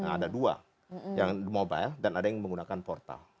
ada dua yang mobile dan ada yang menggunakan portal